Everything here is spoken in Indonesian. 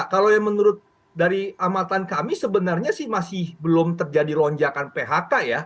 kalau yang menurut dari amatan kami sebenarnya sih masih belum terjadi lonjakan phk ya